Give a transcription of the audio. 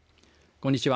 こんにちは。